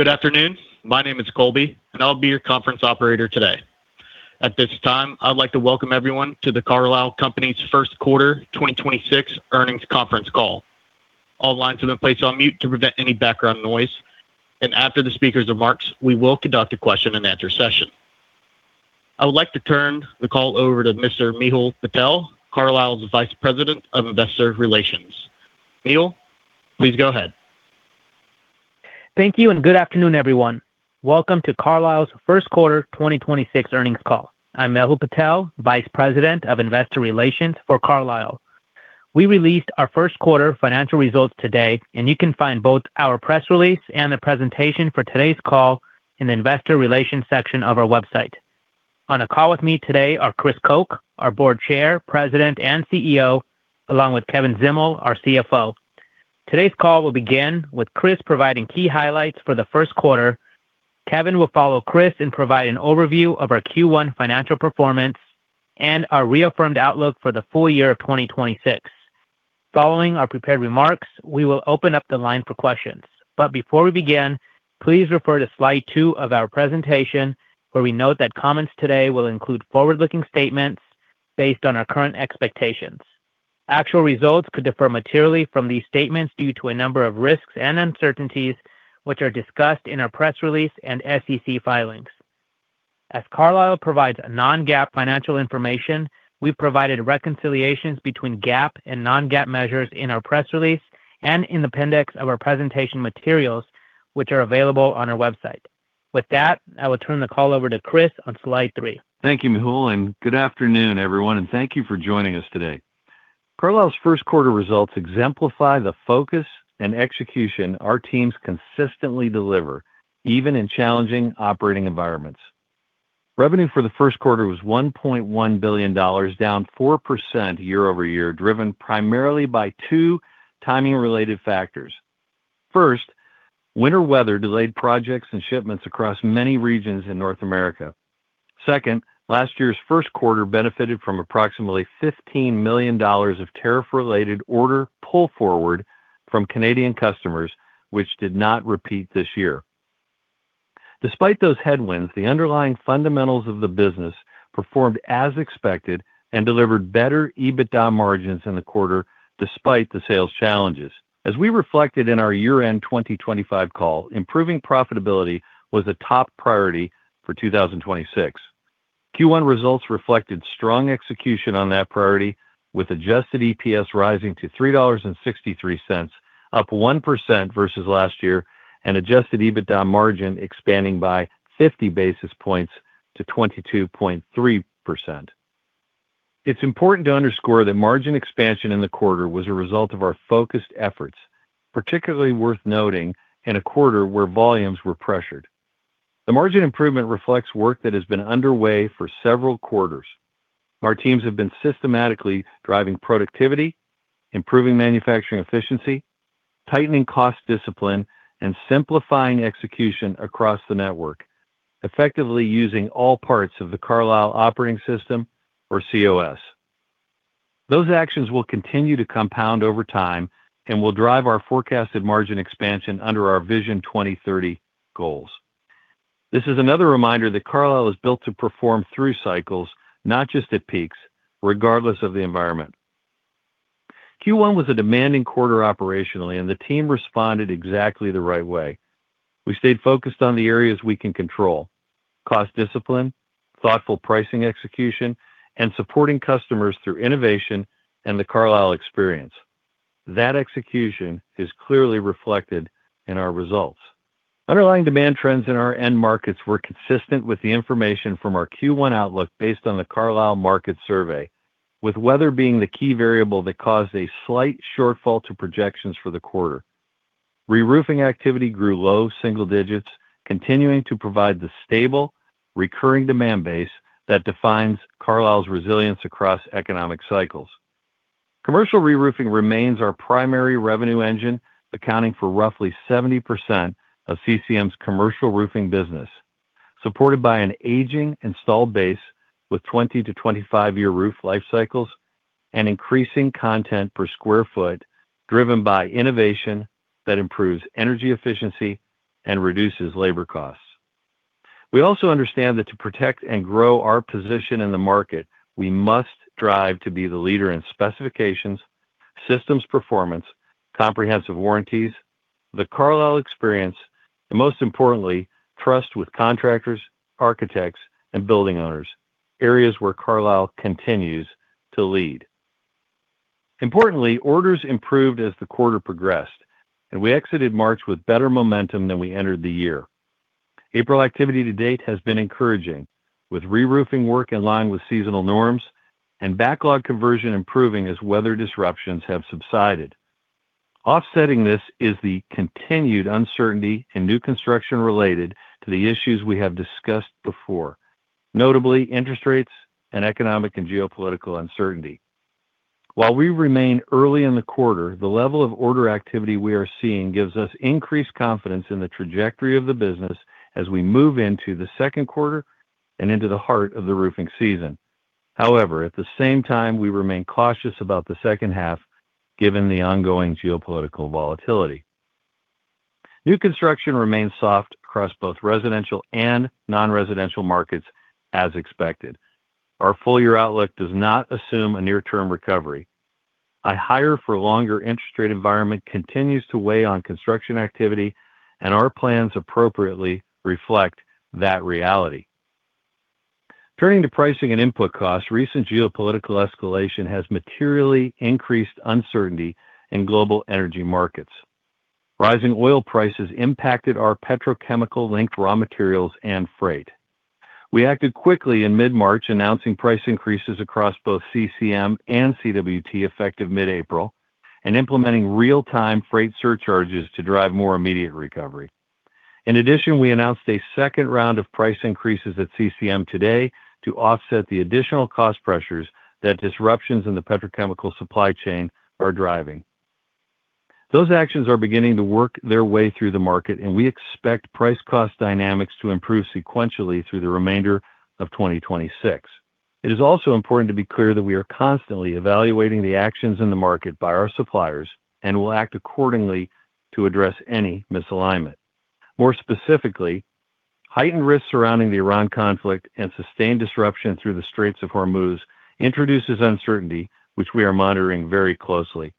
Good afternoon. My name is Colby, and I'll be your conference operator today. At this time, I'd like to welcome everyone to the Carlisle Companies' First Quarter 2026 Earnings Conference Call. All lines have been placed on mute to prevent any background noise, and after the speakers' remarks, we will conduct a question and answer session. I would like to turn the call over to Mr. Mehul Patel, Carlisle's Vice President of Investor Relations. Mehul, please go ahead. Thank you, and good afternoon, everyone. Welcome to Carlisle's first quarter 2026 earnings call. I'm Mehul Patel, Vice President of Investor Relations for Carlisle. We released our first quarter financial results today, and you can find both our press release and the presentation for today's call in the investor relations section of our website. On a call with me today are Chris Koch, our Board Chair, President, and CEO, along with Kevin Zdimal, our CFO. Today's call will begin with Chris providing key highlights for the first quarter. Kevin will follow Chris and provide an overview of our Q1 financial performance and our reaffirmed outlook for the full-year of 2026. Following our prepared remarks, we will open up the line for questions. Before we begin, please refer to slide two of our presentation, where we note that comments today will include forward-looking statements based on our current expectations. Actual results could differ materially from these statements due to a number of risks and uncertainties, which are discussed in our press release and SEC filings. As Carlisle provides non-GAAP financial information, we've provided reconciliations between GAAP and non-GAAP measures in our press release and in the appendix of our presentation materials, which are available on our website. With that, I will turn the call over to Chris on slide three. Thank you, Mehul, and good afternoon, everyone, and thank you for joining us today. Carlisle's first quarter results exemplify the focus and execution our teams consistently deliver, even in challenging operating environments. Revenue for the first quarter was $1.1 billion, down 4% year-over-year, driven primarily by two timing-related factors. First, winter weather delayed projects and shipments across many regions in North America. Second, last year's first quarter benefited from approximately $15 million of tariff-related order pull forward from Canadian customers, which did not repeat this year. Despite those headwinds, the underlying fundamentals of the business performed as expected and delivered better EBITDA margins in the quarter despite the sales challenges. As we reflected in our year-end 2025 call, improving profitability was a top priority for 2026. Q1 results reflected strong execution on that priority, with adjusted EPS rising to $3.63, up 1% versus last year, and adjusted EBITDA margin expanding by 50 basis points to 22.3%. It's important to underscore that margin expansion in the quarter was a result of our focused efforts, particularly worth noting in a quarter where volumes were pressured. The margin improvement reflects work that has been underway for several quarters. Our teams have been systematically driving productivity, improving manufacturing efficiency, tightening cost discipline, and simplifying execution across the network, effectively using all parts of the Carlisle Operating System, or COS. Those actions will continue to compound over time and will drive our forecasted margin expansion under our Vision 2030 goals. This is another reminder that Carlisle is built to perform through cycles, not just at peaks, regardless of the environment. Q1 was a demanding quarter operationally, and the team responded exactly the right way. We stayed focused on the areas we can control: cost discipline, thoughtful pricing execution, and supporting customers through innovation and the Carlisle Experience. That execution is clearly reflected in our results. Underlying demand trends in our end markets were consistent with the information from our Q1 outlook based on the Carlisle Market Survey, with weather being the key variable that caused a slight shortfall to projections for the quarter. Reroofing activity grew low single digits, continuing to provide the stable, recurring demand base that defines Carlisle's resilience across economic cycles. Commercial reroofing remains our primary revenue engine, accounting for roughly 70% of CCM's commercial roofing business, supported by an aging installed base with 20- to 25-year roof life cycles and increasing content per square foot, driven by innovation that improves energy efficiency and reduces labor costs. We also understand that to protect and grow our position in the market, we must drive to be the leader in specifications, systems performance, comprehensive warranties, the Carlisle Experience, and most importantly, trust with contractors, architects, and building owners, areas where Carlisle continues to lead. Importantly, orders improved as the quarter progressed, and we exited March with better momentum than we entered the year. April activity to date has been encouraging, with reroofing work in line with seasonal norms and backlog conversion improving as weather disruptions have subsided. Offsetting this is the continued uncertainty in new construction related to the issues we have discussed before, notably interest rates and economic and geopolitical uncertainty. While we remain early in the quarter, the level of order activity we are seeing gives us increased confidence in the trajectory of the business as we move into the second quarter and into the heart of the roofing season. However, at the same time, we remain cautious about the second half given the ongoing geopolitical volatility. New construction remains soft across both residential and non-residential markets as expected. Our full-year outlook does not assume a near-term recovery. A higher for longer interest rate environment continues to weigh on construction activity and our plans appropriately reflect that reality. Turning to pricing and input costs, recent geopolitical escalation has materially increased uncertainty in global energy markets. Rising oil prices impacted our petrochemical-linked raw materials and freight. We acted quickly in mid-March, announcing price increases across both CCM and CWT effective mid-April, and implementing real-time freight surcharges to drive more immediate recovery. In addition, we announced a second round of price increases at CCM today to offset the additional cost pressures that disruptions in the petrochemical supply chain are driving. Those actions are beginning to work their way through the market, and we expect price cost dynamics to improve sequentially through the remainder of 2026. It is also important to be clear that we are constantly evaluating the actions in the market by our suppliers and will act accordingly to address any misalignment. More specifically, heightened risks surrounding the Iran conflict and sustained disruption through the Straits of Hormuz introduces uncertainty, which we are monitoring very closely.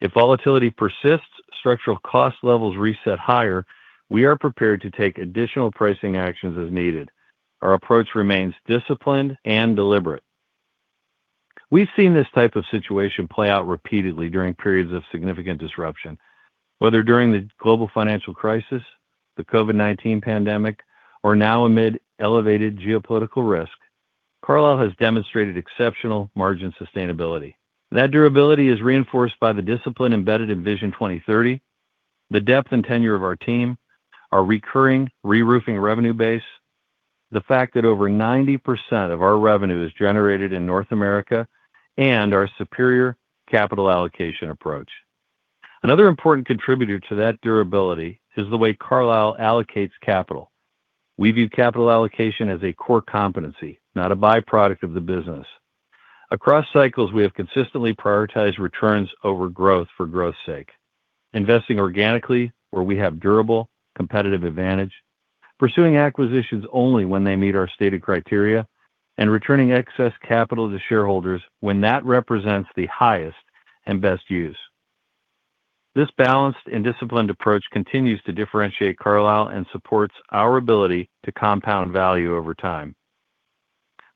If volatility persists, structural cost levels reset higher, we are prepared to take additional pricing actions as needed. Our approach remains disciplined and deliberate. We've seen this type of situation play out repeatedly during periods of significant disruption. Whether during the global financial crisis, the COVID-19 pandemic, or now amid elevated geopolitical risk, Carlisle has demonstrated exceptional margin sustainability. That durability is reinforced by the discipline embedded in Vision 2030, the depth and tenure of our team, our recurring reroofing revenue base, the fact that over 90% of our revenue is generated in North America, and our superior capital allocation approach. Another important contributor to that durability is the way Carlisle allocates capital. We view capital allocation as a core competency, not a byproduct of the business. Across cycles, we have consistently prioritized returns over growth for growth's sake, investing organically where we have durable competitive advantage, pursuing acquisitions only when they meet our stated criteria, and returning excess capital to shareholders when that represents the highest and best use. This balanced and disciplined approach continues to differentiate Carlisle and supports our ability to compound value over time.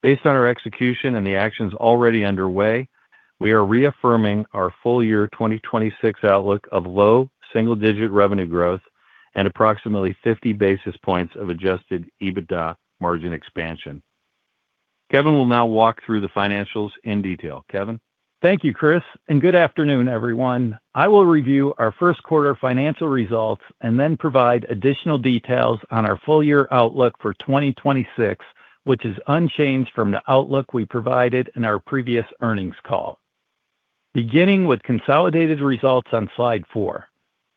Based on our execution and the actions already underway, we are reaffirming our full-year 2026 outlook of low single-digit revenue growth and approximately 50 basis points of adjusted EBITDA margin expansion. Kevin will now walk through the financials in detail. Kevin? Thank you, Chris, and good afternoon, everyone. I will review our first quarter financial results and then provide additional details on our full-year outlook for 2026, which is unchanged from the outlook we provided in our previous earnings call. Beginning with consolidated results on slide four.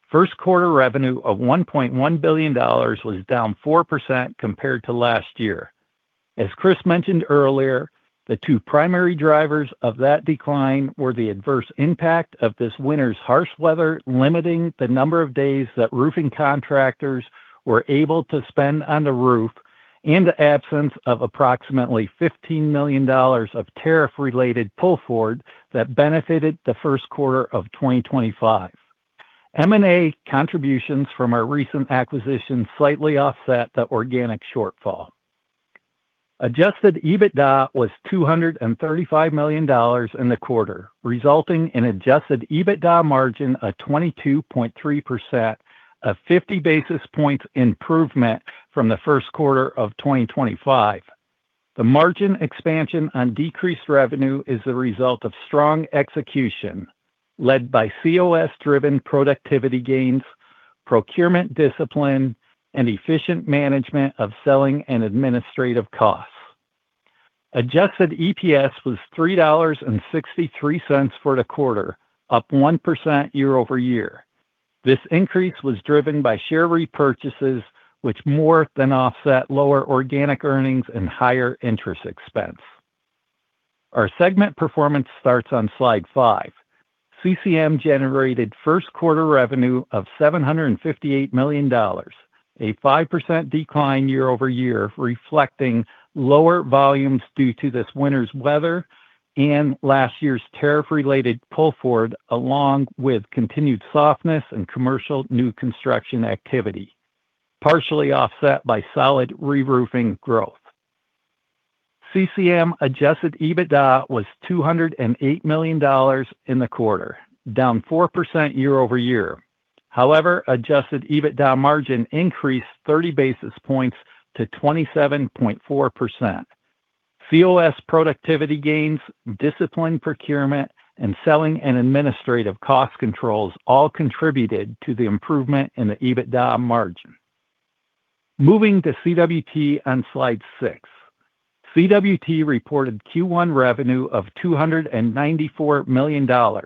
First quarter revenue of $1.1 billion was down 4% compared to last year. As Chris mentioned earlier, the two primary drivers of that decline were the adverse impact of this winter's harsh weather, limiting the number of days that roofing contractors were able to spend on the roof, and the absence of approximately $15 million of tariff-related pull-forward that benefited the first quarter of 2025. M&A contributions from our recent acquisition slightly offset the organic shortfall. Adjusted EBITDA was $235 million in the quarter, resulting in adjusted EBITDA margin of 22.3%, a 50 basis points improvement from the first quarter of 2025. The margin expansion on decreased revenue is the result of strong execution led by COS-driven productivity gains, procurement discipline, and efficient management of selling and administrative costs. Adjusted EPS was $3.63 for the quarter, up 1% year-over-year. This increase was driven by share repurchases, which more than offset lower organic earnings and higher interest expense. Our segment performance starts on slide five. CCM generated first quarter revenue of $758 million, a 5% decline year-over-year, reflecting lower volumes due to this winter's weather and last year's tariff-related pull forward along with continued softness in commercial new construction activity, partially offset by solid reroofing growth. CCM adjusted EBITDA was $208 million in the quarter, down 4% year-over-year. However, adjusted EBITDA margin increased 30 basis points to 27.4%. COS productivity gains, disciplined procurement, and selling and administrative cost controls all contributed to the improvement in the EBITDA margin. Moving to CWT on slide six. CWT reported Q1 revenue of $294 million, down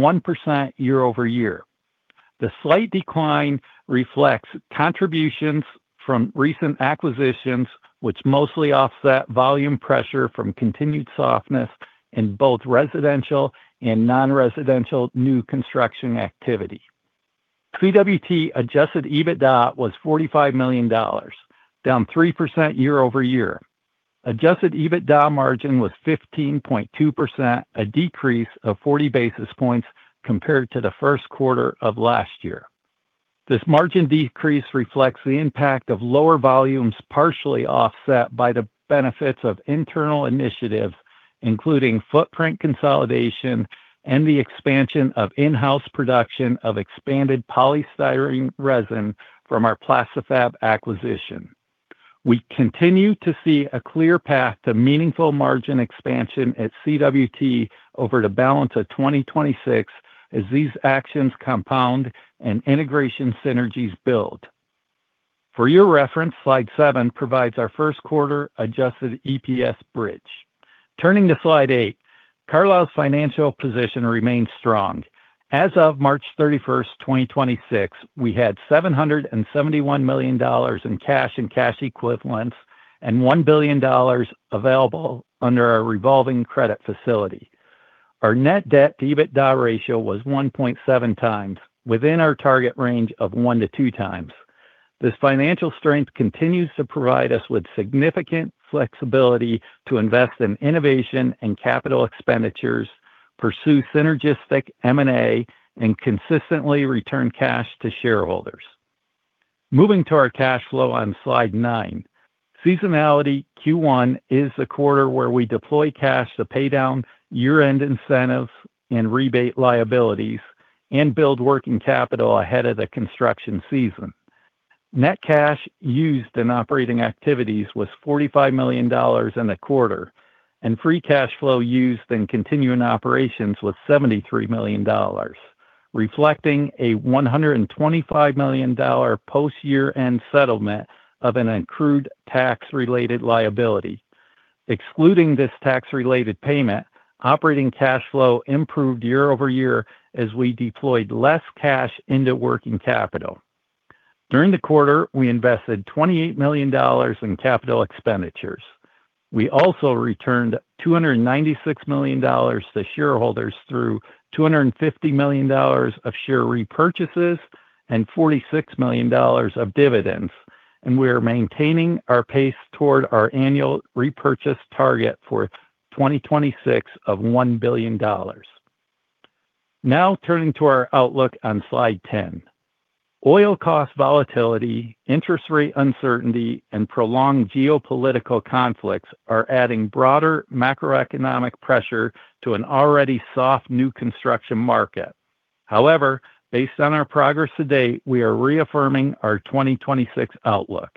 1% year-over-year. The slight decline reflects contributions from recent acquisitions, which mostly offset volume pressure from continued softness in both residential and non-residential new construction activity. CWT adjusted EBITDA was $45 million, down 3% year-over-year. Adjusted EBITDA margin was 15.2%, a decrease of 40 basis points compared to the first quarter of last year. This margin decrease reflects the impact of lower volumes, partially offset by the benefits of internal initiatives, including footprint consolidation and the expansion of in-house production of expanded polystyrene resin from our Plasti-Fab acquisition. We continue to see a clear path to meaningful margin expansion at CWT over the balance of 2026 as these actions compound and integration synergies build. For your reference, slide seven provides our first quarter adjusted EPS bridge. Turning to slide eight, Carlisle's financial position remains strong. As of March 31st, 2026, we had $771 million in cash and cash equivalents and $1 billion available under our revolving credit facility. Our net debt-to-EBITDA ratio was 1.7x, within our target range of one to two times. This financial strength continues to provide us with significant flexibility to invest in innovation and capital expenditures, pursue synergistic M&A, and consistently return cash to shareholders. Moving to our cash flow on slide nine, seasonality Q1 is the quarter where we deploy cash to pay down year-end incentives and rebate liabilities and build working capital ahead of the construction season. Net cash used in operating activities was $45 million in the quarter, and free cash flow used in continuing operations was $73 million, reflecting a $125 million post-year-end settlement of an accrued tax-related liability. Excluding this tax-related payment, operating cash flow improved year-over-year as we deployed less cash into working capital. During the quarter, we invested $28 million in capital expenditures. We also returned $296 million to shareholders through $250 million of share repurchases and $46 million of dividends, and we are maintaining our pace toward our annual repurchase target for 2026 of $1 billion. Now turning to our outlook on Slide 10. Oil cost volatility, interest rate uncertainty, and prolonged geopolitical conflicts are adding broader macroeconomic pressure to an already soft new construction market. However, based on our progress to date, we are reaffirming our 2026 outlook.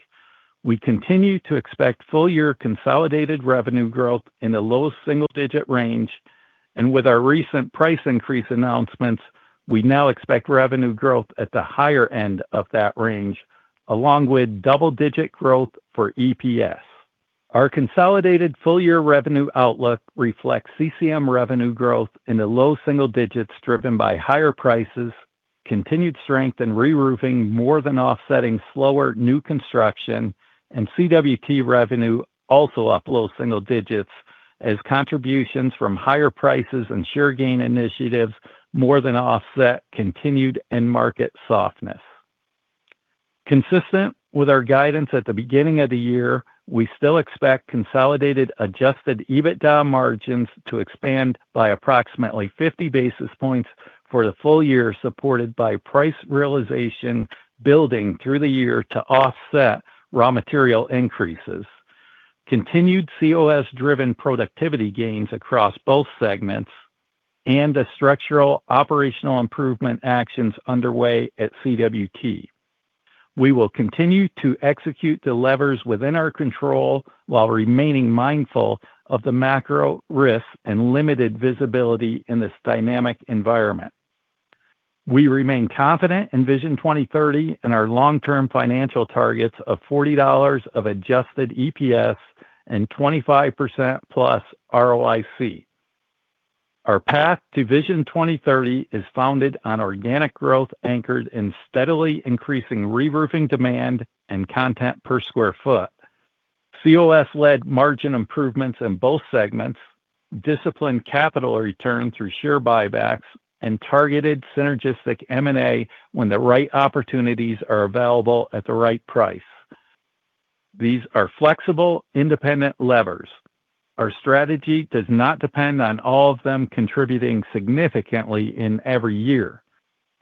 We continue to expect full-year consolidated revenue growth in the low double-digit range, and with our recent price increase announcements, we now expect revenue growth at the higher end of that range, along with double-digit growth for EPS. Our consolidated full-year revenue outlook reflects CCM revenue growth in the low single digits driven by higher prices, continued strength in reroofing more than offsetting slower new construction, and CWT revenue also up low single digits as contributions from higher prices and share gain initiatives more than offset continued end market softness. Consistent with our guidance at the beginning of the year, we still expect consolidated adjusted EBITDA margins to expand by approximately 50 basis points for the full year, supported by price realization building through the year to offset raw material increases, continued COS-driven productivity gains across both segments, and the structural operational improvement actions underway at CWT. We will continue to execute the levers within our control while remaining mindful of the macro risks and limited visibility in this dynamic environment. We remain confident in Vision 2030 and our long-term financial targets of $40 of adjusted EPS and 25%+ ROIC. Our path to Vision 2030 is founded on organic growth anchored in steadily increasing reroofing demand and content per square foot, COS-led margin improvements in both segments, disciplined capital return through share buybacks, and targeted synergistic M&A when the right opportunities are available at the right price. These are flexible, independent levers. Our strategy does not depend on all of them contributing significantly in every year.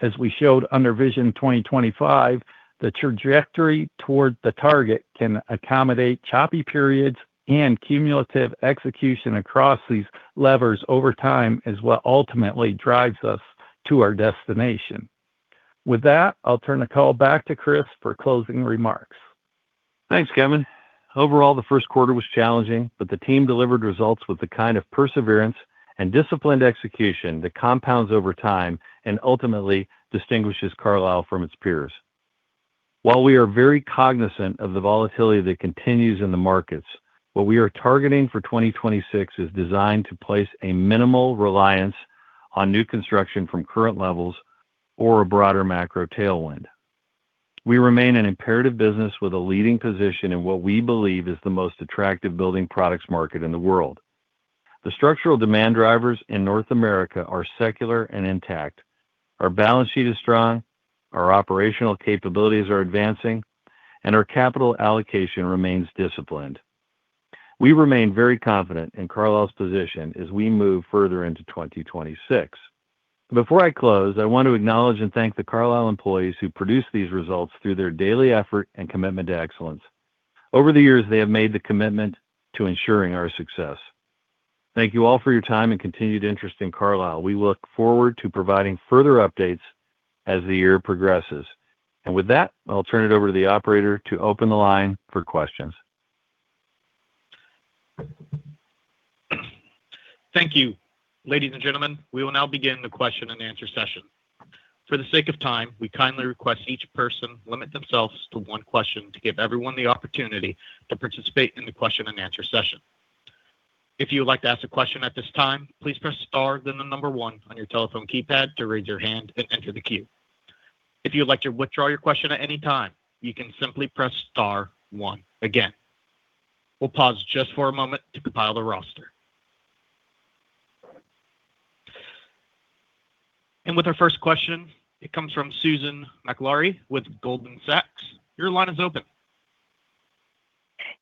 As we showed under Vision 2025, the trajectory toward the target can accommodate choppy periods and cumulative execution across these levers over time is what ultimately drives us to our destination. With that, I'll turn the call back to Chris for closing remarks. Thanks, Kevin. Overall, the first quarter was challenging, but the team delivered results with the kind of perseverance and disciplined execution that compounds over time and ultimately distinguishes Carlisle from its peers. While we are very cognizant of the volatility that continues in the markets, what we are targeting for 2026 is designed to place a minimal reliance on new construction from current levels or a broader macro tailwind. We remain an imperative business with a leading position in what we believe is the most attractive building products market in the world. The structural demand drivers in North America are secular and intact. Our balance sheet is strong, our operational capabilities are advancing, and our capital allocation remains disciplined. We remain very confident in Carlisle's position as we move further into 2026. Before I close, I want to acknowledge and thank the Carlisle employees who produced these results through their daily effort and commitment to excellence. Over the years, they have made the commitment to ensuring our success. Thank you all for your time and continued interest in Carlisle. We look forward to providing further updates as the year progresses. With that, I'll turn it over to the operator to open the line for questions. Thank you. Ladies and gentlemen, we will now begin the question and answer session. For the sake of time, we kindly request each person limit themselves to one question to give everyone the opportunity to participate in the question and answer session. If you would like to ask a question at this time, please press star, then the number one on your telephone keypad to raise your hand and enter the queue. If you'd like to withdraw your question at any time, you can simply press star one again. We'll pause just for a moment to compile the roster. With our first question, it comes from Susan Maklari with Goldman Sachs. Your line is open.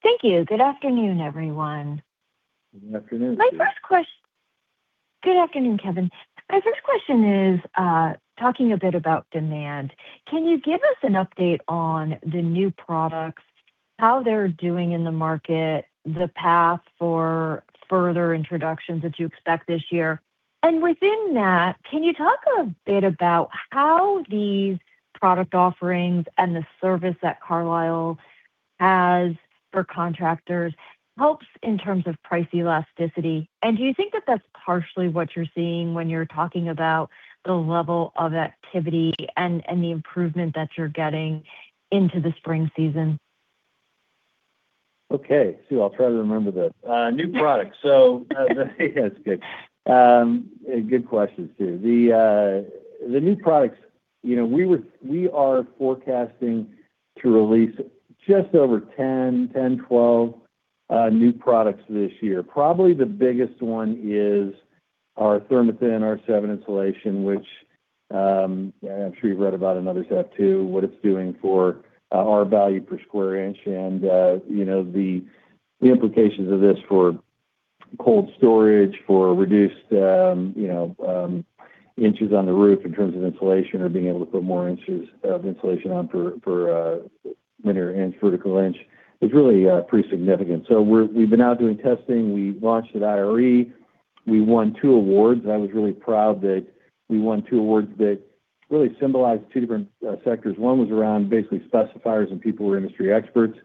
Thank you. Good afternoon, everyone. Good afternoon, Sue. Good afternoon, Kevin. My first question is, talking a bit about demand. Can you give us an update on the new products, how they're doing in the market, the path for further introductions that you expect this year? And within that, can you talk a bit about how these product offerings and the service that Carlisle has for contractors helps in terms of price elasticity? And do you think that that's partially what you're seeing when you're talking about the level of activity and the improvement that you're getting into the spring season? Okay. Sue, I'll try to remember this. New products. That's good. Good question, Sue. The new products, we are forecasting to release just over 10-12 new products this year. Probably the biggest one is our ThermaThin R7 insulation, which, I'm sure you've read about in other stuff too, what it's doing for R-value per square inch and the implications of this for cold storage, for reduced inches on the roof in terms of insulation or being able to put more inches of insulation on per linear inch, vertical inch, is really pretty significant. We've been out doing testing. We launched at IRE. We won two awards. I was really proud that we won two awards that really symbolized two different sectors. One was around basically specifiers and people who are industry experts,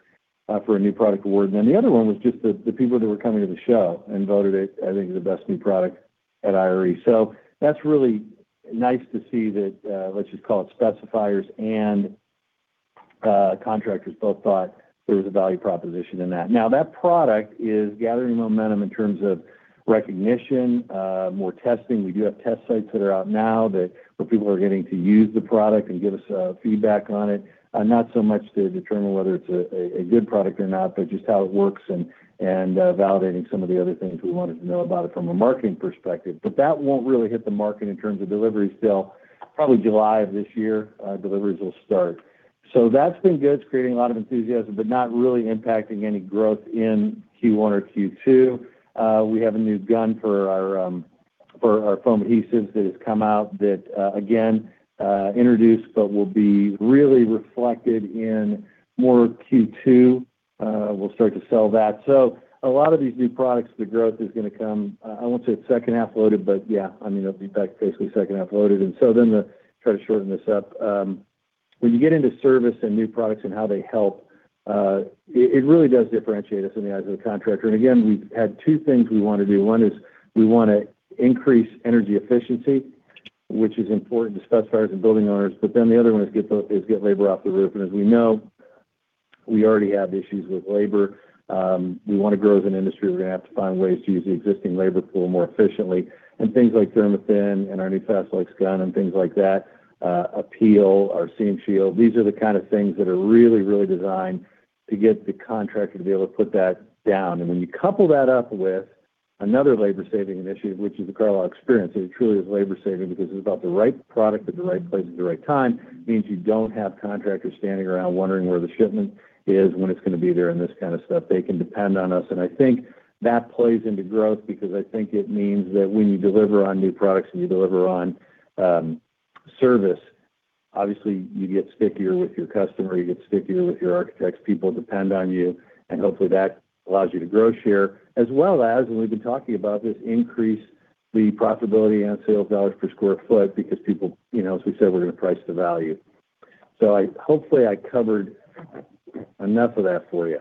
for a new product award. Then the other one was just the people that were coming to the show and voted it, I think, the best new product at IRE. That's really nice to see that, let's just call it specifiers and contractors both thought there was a value proposition in that. Now, that product is gathering momentum in terms of recognition, more testing. We do have test sites that are out now where people are getting to use the product and give us feedback on it. Not so much to determine whether it's a good product or not, but just how it works and validating some of the other things we wanted to know about it from a marketing perspective. That won't really hit the market in terms of delivery still. Probably July of this year, deliveries will start. That's been good. It's creating a lot of enthusiasm, but not really impacting any growth in Q1 or Q2. We have a new gun for our foam adhesives that has come out that, again, introduced but will be really reflected in more of Q2. We'll start to sell that. A lot of these new products, the growth is going to come, I won't say it's second half loaded, but yeah, it'll be back basically second half loaded. To try to shorten this up. When you get into service and new products and how they help, it really does differentiate us in the eyes of the contractor. Again, we had two things we want to do. One is we want to increase energy efficiency, which is important to specifiers and building owners. The other one is get labor off the roof. As we know, we already have issues with labor. We want to grow as an industry. We're going to have to find ways to use the existing labor pool more efficiently. Things like ThermaThin and our new FAST-FIX gun and things like that, APEEL, our Seam Shield, these are the kind of things that are really, really designed to get the contractor to be able to put that down. When you couple that up with another labor saving initiative, which is the Carlisle Experience, it truly is labor saving because it's about the right product at the right place at the right time, means you don't have contractors standing around wondering where the shipment is, when it's going to be there, and this kind of stuff. They can depend on us. I think that plays into growth because I think it means that when you deliver on new products and you deliver on service, obviously you get stickier with your customer, you get stickier with your architects. People depend on you, and hopefully that allows you to grow share, as well as, and we've been talking about this, increase the profitability and sales dollars per square foot because people, as we said, we're going to price to value. Hopefully I covered enough of that for you.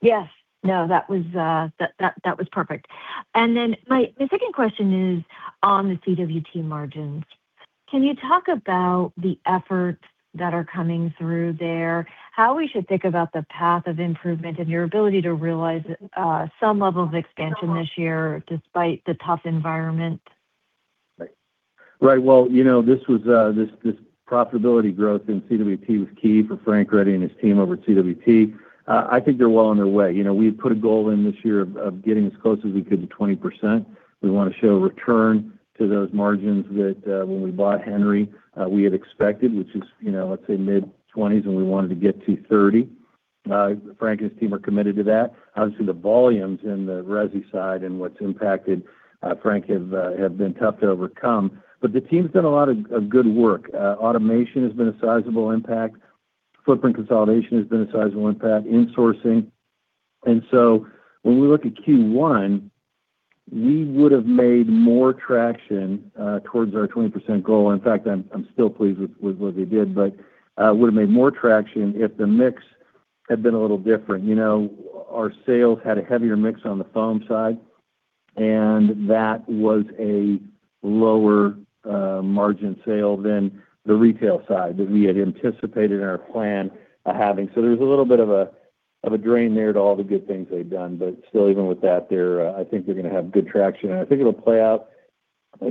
Yes. No, that was perfect. My second question is on the CWT margins. Can you talk about the efforts that are coming through there, how we should think about the path of improvement and your ability to realize some level of expansion this year despite the tough environment? Right. Well, this profitability growth in CWT was key for Frank Ready and his team over at CWT. I think they're well on their way. We had put a goal in this year of getting as close as we could to 20%. We want to show a return to those margins that when we bought Henry, we had expected, which is, let's say mid-20s% and we wanted to get to 30%. Frank and his team are committed to that. Obviously, the volumes in the resi side and what's impacted Frank have been tough to overcome, but the team's done a lot of good work. Automation has been a sizable impact. Footprint consolidation has been a sizable impact, insourcing. When we look at Q1, we would've made more traction towards our 20% goal. In fact, I'm still pleased with what they did, but would've made more traction if the mix had been a little different. Our sales had a heavier mix on the foam side, and that was a lower margin sale than the retail side that we had anticipated in our plan of having. There's a little bit of a drain there to all the good things they've done. Still even with that, I think they're going to have good traction, and I think it'll play out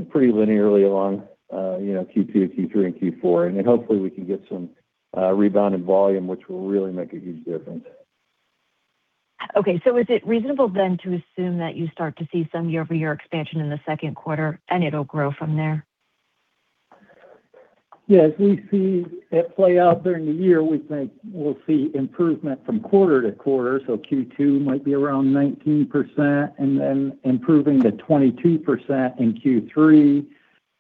pretty linearly along Q2, Q3, and Q4. Hopefully we can get some rebound in volume, which will really make a huge difference. Okay. Is it reasonable then to assume that you start to see some year-over-year expansion in the second quarter and it'll grow from there? Yes. We see it play out during the year. We think we'll see improvement from quarter to quarter. Q2 might be around 19% and then improving to 23% in Q3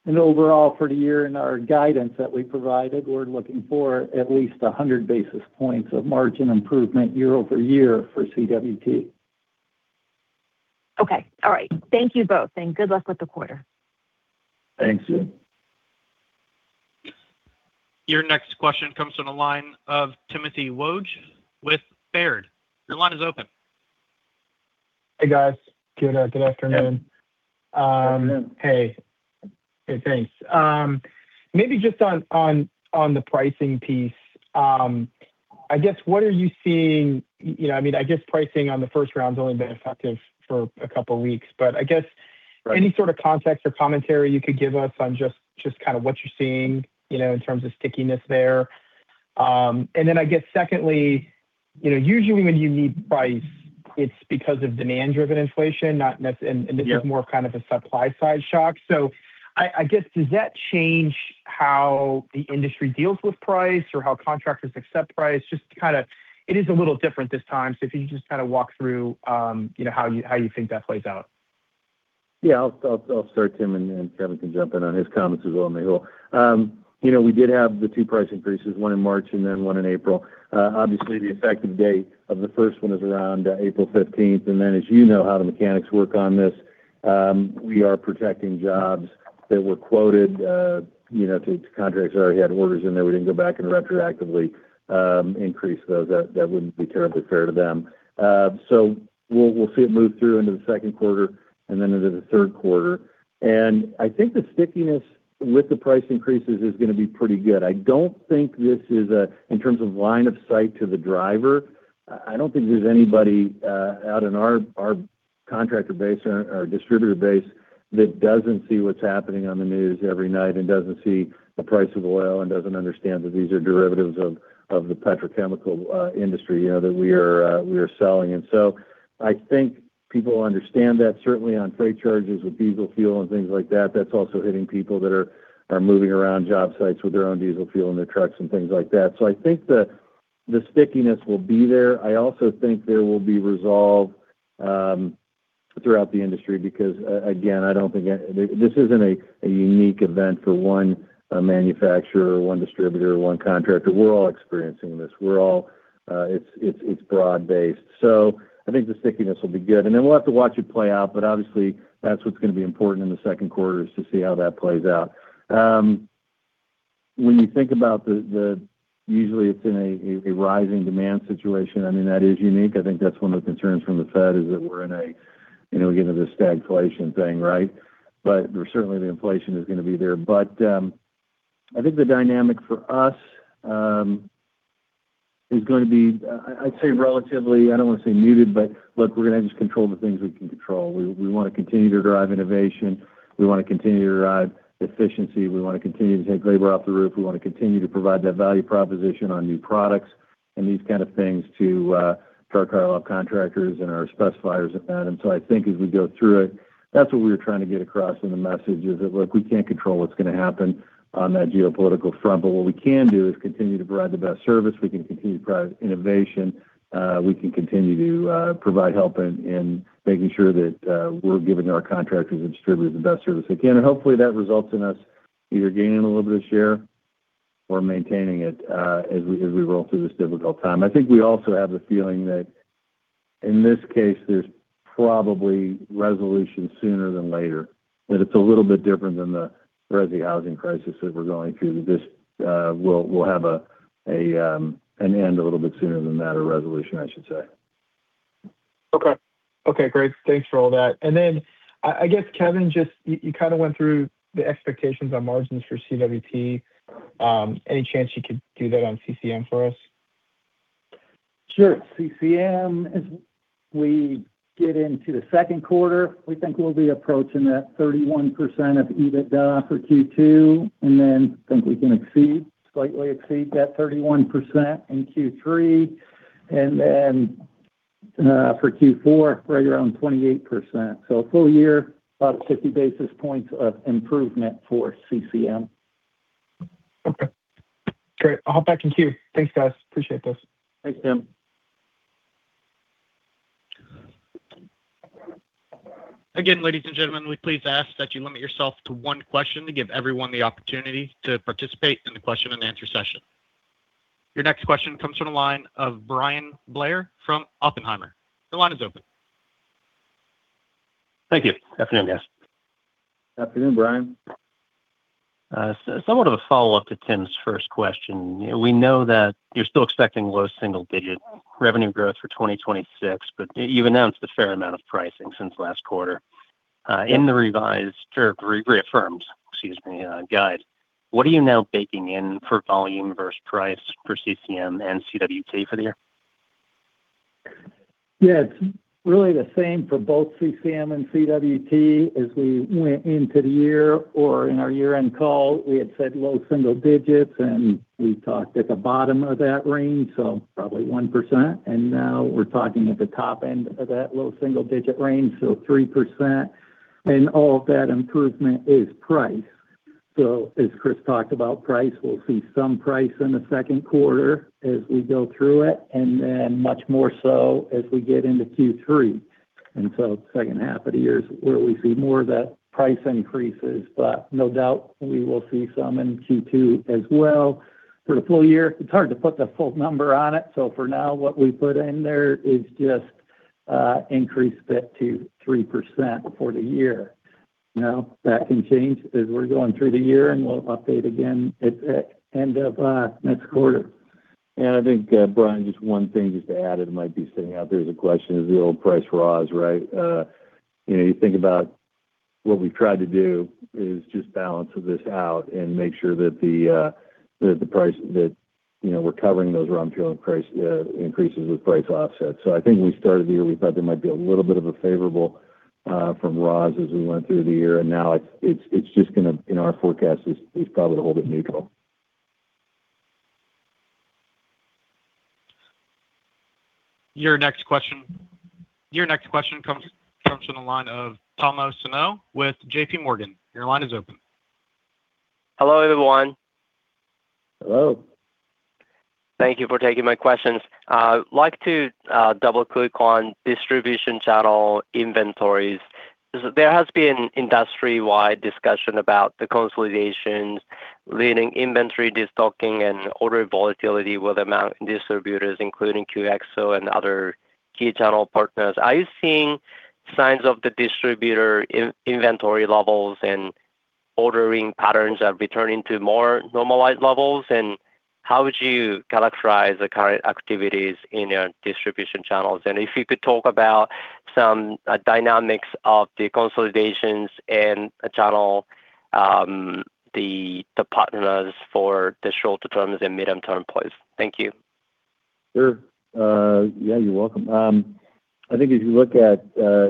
and overall for the year in our guidance that we provided, we're looking for at least 100 basis points of margin improvement year-over-year for CWT. Okay. All right. Thank you both, and good luck with the quarter. Thanks. Your next question comes from the line of Timothy Wojs with Baird. Your line is open. Hey, guys. Good afternoon. Hey. Hey, thanks. Maybe just on the pricing piece, I guess what are you seeing? I guess pricing on the first round's only been effective for a couple of weeks, but I guess any sort of context or commentary you could give us on just kind of what you're seeing in terms of stickiness there. I guess secondly, usually when you need price, it's because of demand-driven inflation, and this is more kind of a supply-side shock. I guess, does that change how the industry deals with price or how contractors accept price? Just kind of, it is a little different this time. If you could just kind of walk through how you think that plays out. Yeah. I'll start, Tim, and then Kevin can jump in on his comments as well, and then he will. We did have the two price increases, one in March and then one in April. Obviously, the effective date of the first one is around April 15th, and then as you know how the mechanics work on this, we are protecting jobs that were quoted to contracts that already had orders in there. We didn't go back and retroactively increase those. That wouldn't be terribly fair to them. We'll see it move through into the second quarter and then into the third quarter. I think the stickiness with the price increases is going to be pretty good. I don't think this is, in terms of line of sight to the driver, I don't think there's anybody out in our contractor base or our distributor base that doesn't see what's happening on the news every night and doesn't see the price of oil and doesn't understand that these are derivatives of the petrochemical industry, that we are selling. I think people understand that certainly on freight charges with diesel fuel and things like that's also hitting people that are moving around job sites with their own diesel fuel and their trucks and things like that. I think the stickiness will be there. I also think there will be resolve throughout the industry because again, this isn't a unique event for one manufacturer or one distributor or one contractor. We're all experiencing this. It's broad-based. I think the stickiness will be good. We'll have to watch it play out, but obviously that's what's going to be important in the second quarter is to see how that plays out. When you think about the, usually it's in a rising demand situation, I mean, that is unique. I think that's one of the concerns from the Fed is that we're in a, again, this stagflation thing, right? Certainly the inflation is going to be there. I think the dynamic for us is going to be, I'd say relatively, I don't want to say muted, but look, we're going to just control the things we can control. We want to continue to drive innovation. We want to continue to drive efficiency. We want to continue to take labor off the roof. We want to continue to provide that value proposition on new products and these kind of things to our key contractors and our specifiers at that. I think as we go through it, that's what we were trying to get across in the message is that, look, we can't control what's going to happen on that geopolitical front, but what we can do is continue to provide the best service. We can continue to provide innovation. We can continue to provide help in making sure that we're giving our contractors and distributors the best service they can. Hopefully that results in us either gaining a little bit of share or maintaining it as we roll through this difficult time. I think we also have the feeling that in this case, there's probably resolution sooner than later. That it's a little bit different than the resi housing crisis that we're going through. This will have an end a little bit sooner than that, or resolution, I should say. Okay. Great. Thanks for all that. I guess, Kevin, you went through the expectations on margins for CWT. Any chance you could do that on CCM for us? Sure. CCM, as we get into the second quarter, we think we'll be approaching that 31% of EBITDA for Q2, and then think we can slightly exceed that 31% in Q3. For Q4, right around 28%. A full year, about 50 basis points of improvement for CCM. Okay. Great. I'll hop back in queue. Thanks, guys. Appreciate this. Thanks, Tim. Ladies and gentlemen, we please ask that you limit yourself to one question to give everyone the opportunity to participate in the question and answer session. Your next question comes from the line of Bryan Blair from Oppenheimer. The line is open. Thank you. Afternoon, guys. Afternoon, Bryan. Somewhat of a follow-up to Tim's first question. We know that you're still expecting low single-digit revenue growth for 2026, but you've announced a fair amount of pricing since last quarter. In the revised, or reaffirmed, excuse me, guide, what are you now baking in for volume versus price for CCM and CWT for the year? Yeah, it's really the same for both CCM and CWT. As we went into the year or in our year-end call, we had said low single digits, and we talked at the bottom of that range, so probably 1%. Now we're talking at the top end of that low single-digit range, so 3%. All of that improvement is price. As Chris talked about price, we'll see some price in the second quarter as we go through it, and then much more so as we get into Q3. The second half of the year is where we see more of the price increases. No doubt, we will see some in Q2 as well. For the full year, it's hard to put the full number on it. For now, what we put in there is just increase that to 3% for the year. Now, that can change as we're going through the year, and we'll update again at the end of next quarter. I think, Bryan, just one thing just to add that might be sitting out there as a question is the old price raws, right? You think about what we've tried to do is just balance this out, and make sure that we're covering those raw material increases with price offsets. I think we started the year, we thought there might be a little bit of a favorable from raws as we went through the year, and now it's just, in our forecast, is probably a little bit neutral. Your next question comes from the line of Tomo Sano with JPMorgan. Your line is open. Hello, everyone. Hello. Thank you for taking my questions. I'd like to double-click on distribution channel inventories. There has been industry-wide discussion about the consolidations, lean inventory, de-stocking, and order volatility among distributors, including QXO and other key channel partners. Are you seeing signs of the distributor inventory levels and ordering patterns are returning to more normalized levels? How would you characterize the current activities in your distribution channels? If you could talk about some dynamics of the consolidations and the channel, the partners for the short-term and medium-term plays. Thank you. Sure. Yeah, you're welcome. I think if you look at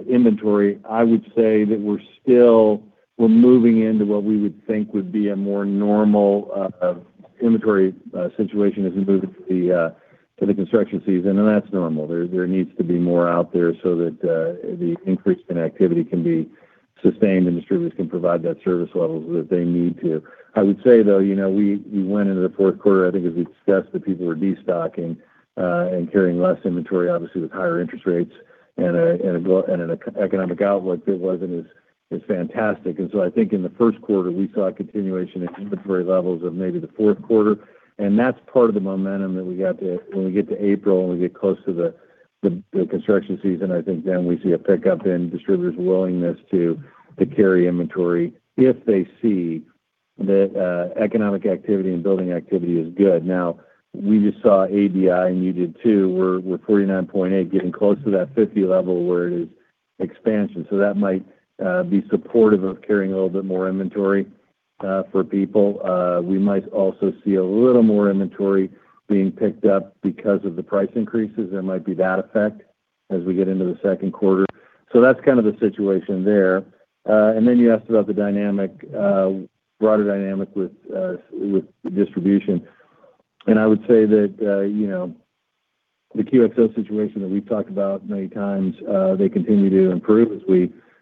inventory, I would say that we're moving into what we would think would be a more normal inventory situation as we move into the construction season, and that's normal. There needs to be more out there so that the increase in activity can be sustained, and distributors can provide that service level that they need to. I would say, though, we went into the fourth quarter, I think as we discussed, that people were de-stocking and carrying less inventory, obviously with higher interest rates and an economic outlook that wasn't as fantastic. I think in the first quarter, we saw a continuation of inventory levels of maybe the fourth quarter, and that's part of the momentum when we get to April and we get close to the construction season. I think then we see a pickup in distributors' willingness to carry inventory if they see that economic activity and building activity is good. Now, we just saw ABI, and you did too. We're 49.8, getting close to that 50 level where it is expansion. That might be supportive of carrying a little bit more inventory for people. We might also see a little more inventory being picked up because of the price increases. There might be that effect as we get into the second quarter. That's kind of the situation there. Then you asked about the broader dynamic with distribution. I would say that the QXO situation that we've talked about many times, they continue to improve,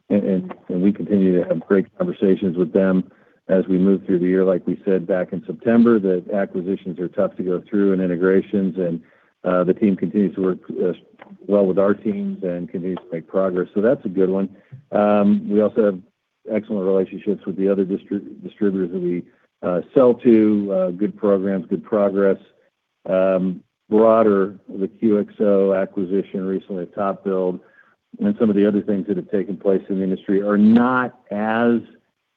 and we continue to have great conversations with them as we move through the year. Like we said back in September, that acquisitions are tough to go through and integrations, and the team continues to work well with our teams and continues to make progress. That's a good one. We also have excellent relationships with the other distributors that we sell to. Good programs, good progress. Broader, the QXO acquisition recently of TopBuild and some of the other things that have taken place in the industry are not as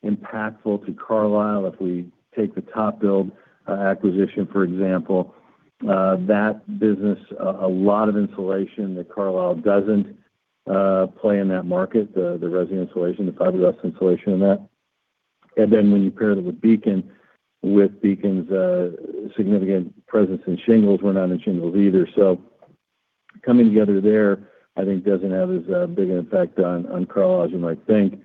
impactful to Carlisle. If we take the TopBuild acquisition, for example, that business, a lot of insulation that Carlisle doesn't play in that market, the resin insulation, the fiberglass insulation, and that. When you pair them with Beacon, with Beacon's significant presence in shingles, we're not in shingles either. Coming together there, I think, doesn't have as big an effect on Carlisle as you might think.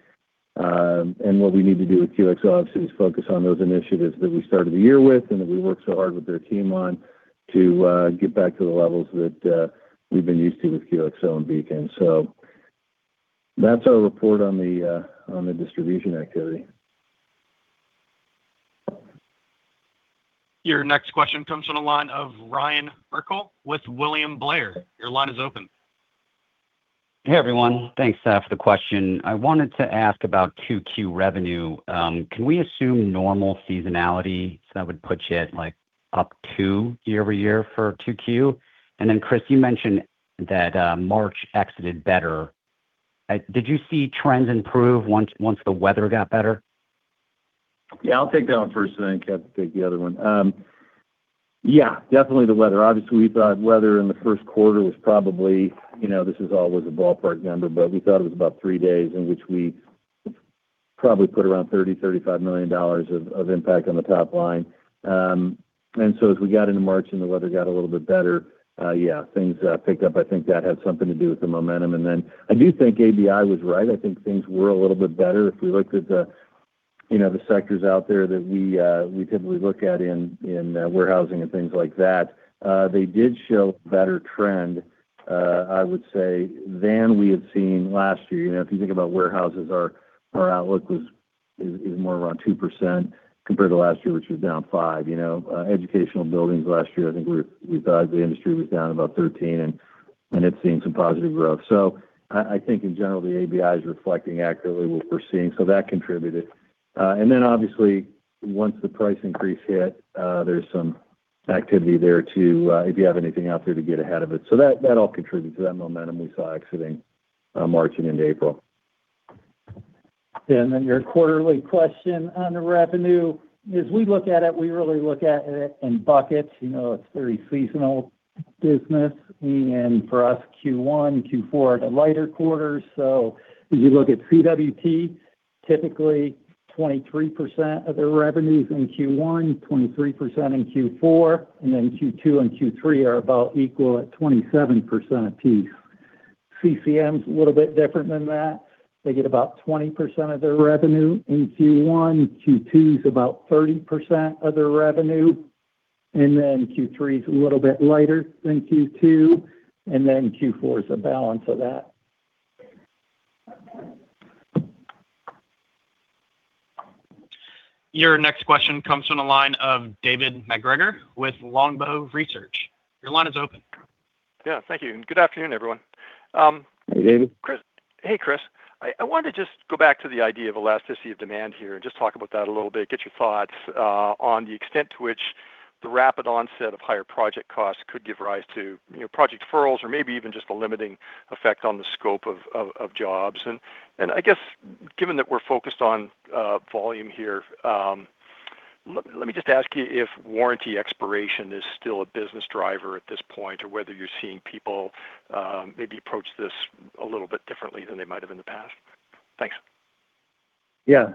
What we need to do with QXO, obviously, is focus on those initiatives that we started the year with and that we worked so hard with their team on to get back to the levels that we've been used to with QXO and Beacon. That's our report on the distribution activity. Your next question comes from the line of Ryan Merkel with William Blair. Your line is open. Hey, everyone. Thanks, Seth, for the question. I wanted to ask about 2Q revenue. Can we assume normal seasonality? That would put you at up 2% year-over-year for 2Q. Then Chris, you mentioned that March exited better. Did you see trends improve once the weather got better? Yeah, I'll take that one first, then Kev can take the other one. Yeah, definitely the weather. Obviously, we thought weather in the first quarter was probably. This is always a ballpark number, but we thought it was about three days in which we probably put around $30-$35 million of impact on the top line. As we got into March and the weather got a little bit better, yeah, things picked up. I think that had something to do with the momentum. I do think ABI was right. I think things were a little bit better. If we looked at the sectors out there that we typically look at in warehousing and things like that, they did show better trend, I would say, than we had seen last year. If you think about warehouses, our outlook is more around 2% compared to last year, which was down 5%. Educational buildings last year, I think we thought the industry was down about 13%, and it's seen some positive growth. I think in general, the ABI is reflecting accurately what we're seeing. That contributed. Then obviously, once the price increase hit, there's some activity there too, if you have anything out there to get ahead of it. That all contributed to that momentum we saw exiting March and into April. your quarterly question on the revenue. As we look at it, we really look at it in buckets. It's very seasonal business. For us, Q1, Q4 are the lighter quarters. As you look at CWT, typically 23% of their revenue's in Q1, 23% in Q4, and then Q2 and Q3 are about equal at 27% a piece. CCM's a little bit different than that. They get about 20% of their revenue in Q1, Q2 is about 30% of their revenue, and then Q3 is a little bit lighter than Q2, and then Q4 is the balance of that. Your next question comes from the line of David MacGregor with Longbow Research. Your line is open. Yeah, thank you, and good afternoon, everyone. Hey, David. Hey, Chris. I wanted to just go back to the idea of elasticity of demand here and just talk about that a little bit, get your thoughts on the extent to which the rapid onset of higher project costs could give rise to project deferrals or maybe even just a limiting effect on the scope of jobs. I guess, given that we're focused on volume here, let me just ask you if warranty expiration is still a business driver at this point or whether you're seeing people maybe approach this a little bit differently than they might have in the past. Thanks. Yeah.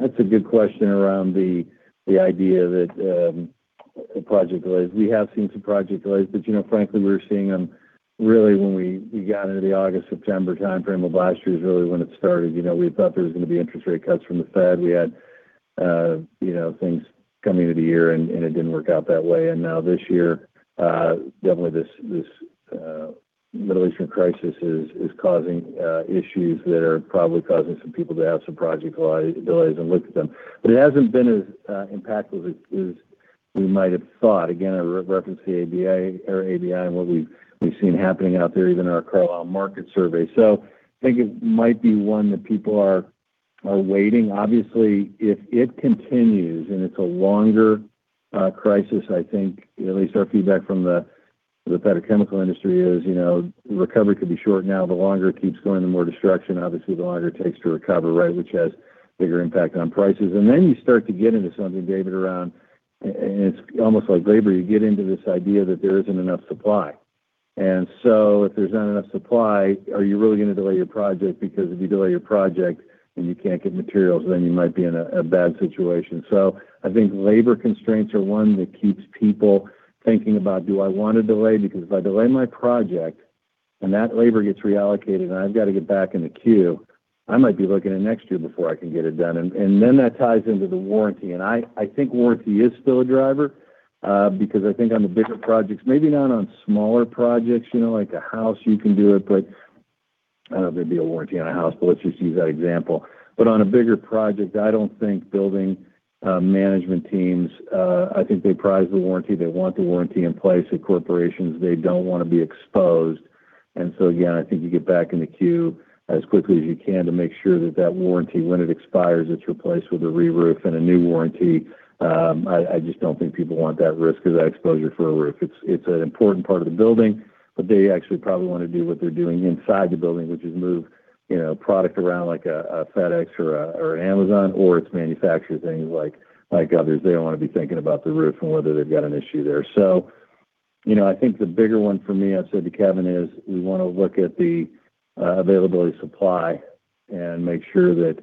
That's a good question around the idea that project delays. We have seen some project delays, but frankly, we were seeing them really when we got into the August-September timeframe of last year is really when it started. We thought there was going to be interest rate cuts from the Fed. We had things coming into the year, and it didn't work out that way. Now this year, definitely this Middle Eastern crisis is causing issues that are probably causing some people to have some project delays and look at them. It hasn't been as impactful as we might have thought. Again, I reference the AIA or ABI and what we've seen happening out there, even in our Carlisle Market Survey. I think it might be one that people are waiting. Obviously, if it continues and it's a longer crisis, I think, at least our feedback from the petrochemical industry is recovery could be short now. The longer it keeps going, the more destruction, obviously, the longer it takes to recover, right? Which has a bigger impact on prices. You start to get into something, David, around, and it's almost like labor, you get into this idea that there isn't enough supply. If there's not enough supply, are you really going to delay your project? Because if you delay your project and you can't get materials, then you might be in a bad situation. I think labor constraints are one that keeps people thinking about, do I want to delay? Because if I delay my project and that labor gets reallocated and I've got to get back in the queue, I might be looking at next year before I can get it done. Then that ties into the warranty. I think warranty is still a driver, because I think on the bigger projects, maybe not on smaller projects, like a house, you can do it, but I don't know if there'd be a warranty on a house, but let's just use that example. On a bigger project, I don't think building management teams, I think they prize the warranty. They want the warranty in place at corporations. They don't want to be exposed. Again, I think you get back in the queue as quickly as you can to make sure that that warranty, when it expires, it's replaced with a re-roof and a new warranty. I just don't think people want that risk or that exposure for a roof. It's an important part of the building, but they actually probably want to do what they're doing inside the building, which is move product around like a FedEx or an Amazon, or to manufacture things like others. They don't want to be thinking about the roof and whether they've got an issue there. I think the bigger one for me, I've said to Kevin, is we want to look at the availability of supply and make sure that,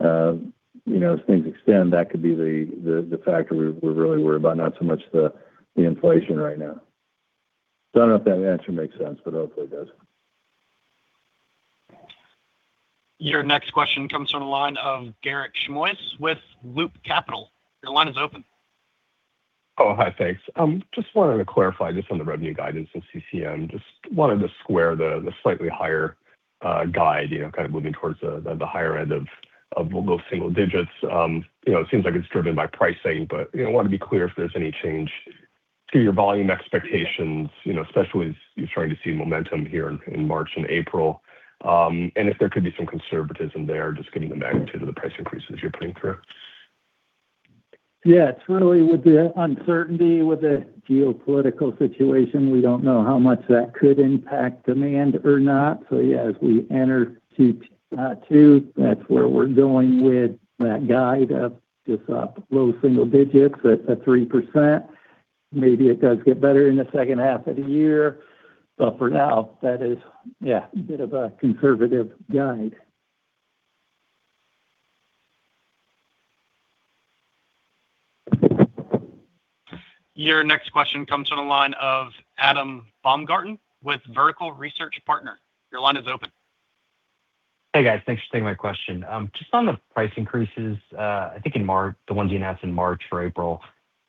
as things extend, that could be the factor we're really worried about, not so much the inflation right now. Don't know if that answer makes sense, but hopefully it does. Your next question comes from the line of Garik Shmois with Loop Capital. Your line is open. Oh, hi. Thanks. Just wanted to clarify just on the revenue guidance in CCM. Just wanted to square the slightly higher guide, kind of moving towards the higher end of low single digits. It seems like it's driven by pricing, but I want to be clear if there's any change to your volume expectations, especially as you're starting to see momentum here in March and April. If there could be some conservatism there, just given the magnitude of the price increases you're putting through. Yeah, it's really with the uncertainty with the geopolitical situation. We don't know how much that could impact demand or not. Yeah, as we enter Q2, that's where we're going with that guide of just low single digits at 3%. Maybe it does get better in the second half of the year, but for now, that is, yeah, a bit of a conservative guide. Your next question comes from the line of Adam Baumgarten with Vertical Research Partners. Your line is open. Hey, guys. Thanks for taking my question. Just on the price increases, I think the ones you announced in March for April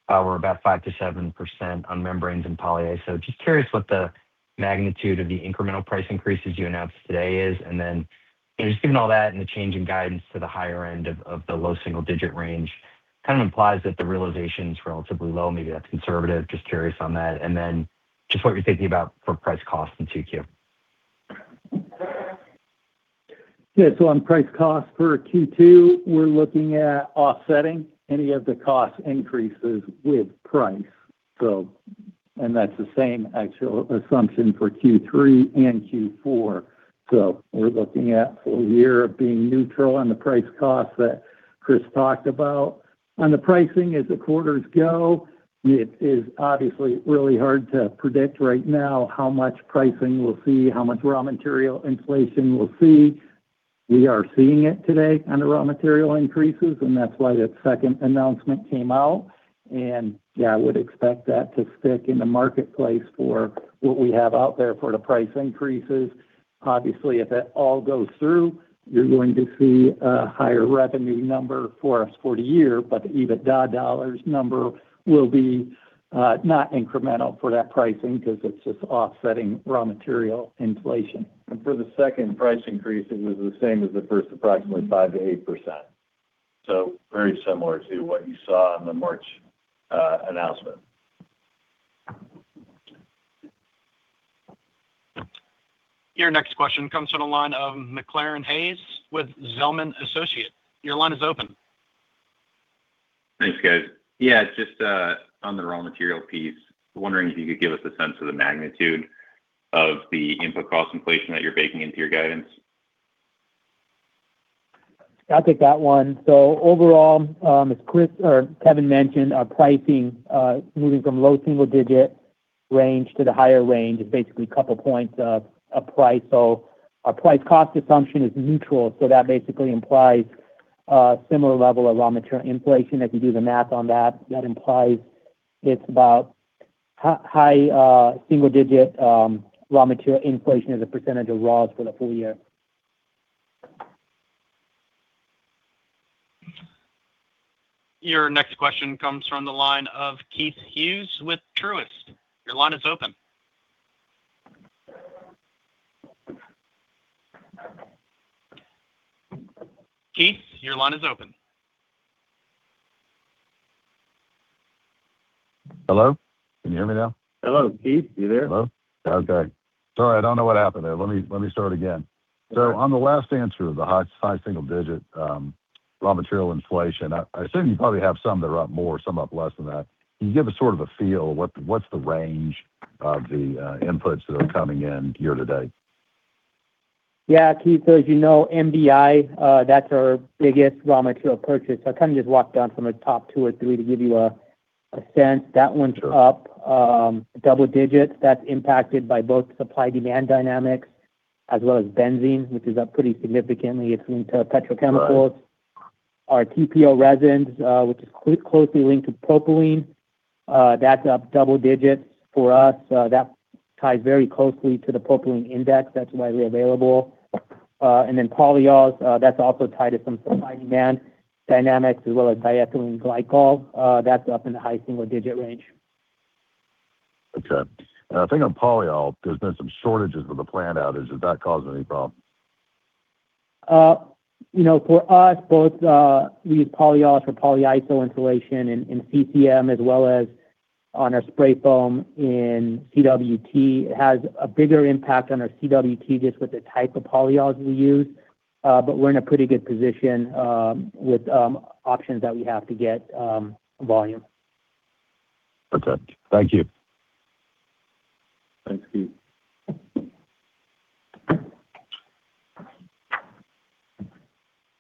were about 5%-7% on membranes and polyiso. Just curious what the magnitude of the incremental price increases you announced today is, and then just given all that and the change in guidance to the higher end of the low single-digit range, kind of implies that the realization's relatively low. Maybe that's conservative, just curious on that. Just what you're thinking about for price cost in 2Q. Yeah. On price cost for Q2, we're looking at offsetting any of the cost increases with price. That's the same actual assumption for Q3 and Q4. We're looking at a full year of being neutral on the price cost that Chris talked about. On the pricing, as the quarters go, it is obviously really hard to predict right now how much pricing we'll see, how much raw material inflation we'll see. We are seeing it today on the raw material increases, and that's why that second announcement came out. Yeah, I would expect that to stick in the marketplace for what we have out there for the price increases. Obviously, if that all goes through, you're going to see a higher revenue number for us for the year, but the EBITDA dollars number will be not incremental for that pricing because it's just offsetting raw material inflation. For the second price increase, it was the same as the first, approximately 5%-8%. Very similar to what you saw in the March announcement. Your next question comes from the line of McClaran Hayes with Zelman & Associates. Your line is open. Thanks, guys. Yeah, just on the raw material piece, wondering if you could give us a sense of the magnitude of the input cost inflation that you're baking into your guidance? I'll take that one. Overall, as Kevin mentioned, our pricing, moving from low single digit range to the higher range is basically a couple of points of price. Our price cost assumption is neutral, so that basically implies a similar level of raw material inflation. If you do the math on that implies it's about high single digit raw material inflation as a percentage of raws for the full year. Your next question comes from the line of Keith Hughes with Truist. Your line is open. Keith, your line is open. Hello? Can you hear me now? Hello, Keith, you there? Hello? Okay. Sorry, I don't know what happened there. Let me start again. On the last answer, the high single-digit raw material inflation. I assume you probably have some that are up more, some up less than that. Can you give us sort of a feel, what's the range of the inputs that are coming in year-to-date? Yeah, Keith. As you know, MDI, that's our biggest raw material purchase. I kind of just walked down from the top two or three to give you a sense. That one's up double digits. That's impacted by both supply-demand dynamics as well as benzene, which is up pretty significantly. It's linked to petrochemicals. Right. Our TPO resins, which is closely linked to propylene, that's up double digits for us. That ties very closely to the propylene index. That's why we have available. Then polyols, that's also tied to some supply-demand dynamics as well as diethylene glycol. That's up in the high single-digit range. Okay. I think on polyol, there's been some shortages with the plant outage. Is that causing any problems? For us, both we use polyol for polyiso insulation in CCM as well as on our spray foam in CWT. It has a bigger impact on our CWT, just with the type of polyols we use. We're in a pretty good position with options that we have to get volume. Perfect. Thank you. Thanks, Keith.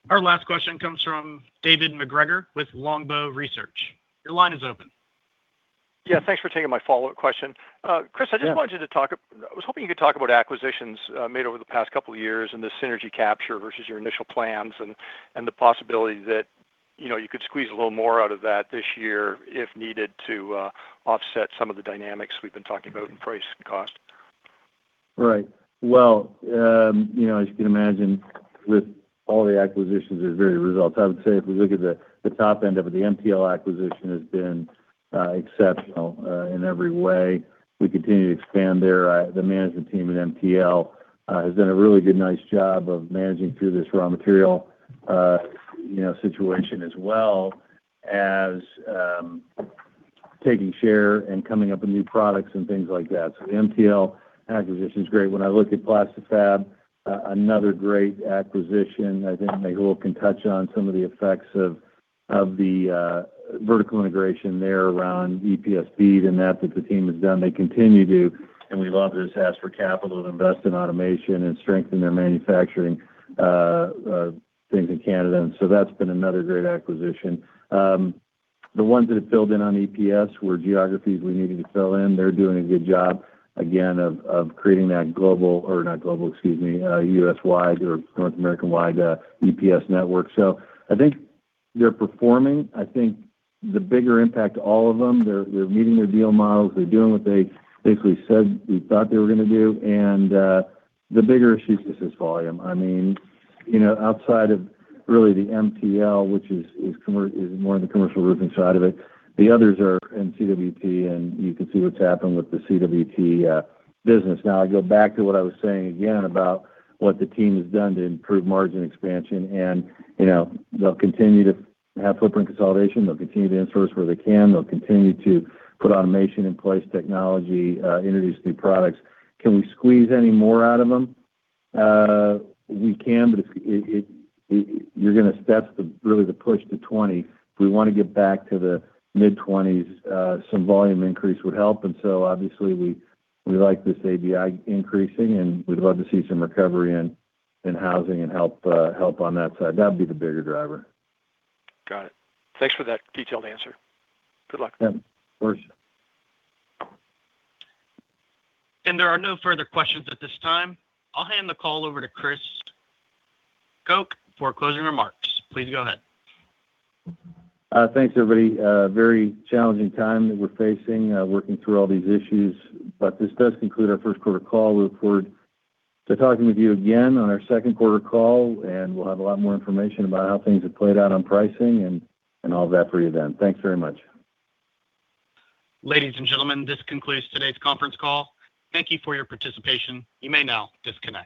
Our last question comes from David MacGregor with Longbow Research. Your line is open. Yeah. Thanks for taking my follow-up question. Chris, I was hoping you could talk about acquisitions made over the past couple of years and the synergy capture versus your initial plans, and the possibility that you could squeeze a little more out of that this year if needed to offset some of the dynamics we've been talking about in price and cost. Right. Well, as you can imagine, with all the acquisitions, there's varied results. I would say if we look at the top end of it, the MTL acquisition has been exceptional in every way. We continue to expand there. The management team at MTL has done a really good, nice job of managing through this raw material situation as well as taking share and coming up with new products and things like that. So the MTL acquisition's great. When I look at Plasti-Fab, another great acquisition. I think Mehul can touch on some of the effects of the vertical integration there around EPS bead and that the team has done. They continue to, and we love to just ask for capital to invest in automation and strengthen their manufacturing things in Canada. That's been another great acquisition. The ones that have filled in on EPS were geographies we needed to fill in. They're doing a good job, again, of creating that global, or not global, excuse me, U.S.-wide or North American-wide EPS network. I think they're performing. I think the bigger impact to all of them, they're meeting their deal models. They're doing what they basically said we thought they were going to do. The bigger issue is just volume. Outside of really the MTL, which is more on the commercial roofing side of it, the others are in CWT, and you can see what's happened with the CWT business. I go back to what I was saying again about what the team has done to improve margin expansion, and they'll continue to have footprint consolidation. They'll continue to source where they can. They'll continue to put automation in place, technology, introduce new products. Can we squeeze any more out of them? We can, but that's really the push to 20. If we want to get back to the mid-20s, some volume increase would help. Obviously we like this ABI increasing, and we'd love to see some recovery in housing and help on that side. That'd be the bigger driver. Got it. Thanks for that detailed answer. Good luck. Yeah. Of course. There are no further questions at this time. I'll hand the call over to Chris Koch for closing remarks. Please go ahead. Thanks, everybody. A very challenging time that we're facing, working through all these issues. This does conclude our first quarter call. We look forward to talking with you again on our second quarter call, and we'll have a lot more information about how things have played out on pricing and all of that for you then. Thanks very much. Ladies and gentlemen, this concludes today's conference call. Thank you for your participation. You may now disconnect.